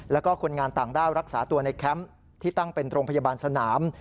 แล้วก็คนงานต่างด้าวรักษาตัวในแคมป์ที่ตั้งเป็นโรงพยาบาลสนาม